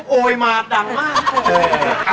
อร่อยไหม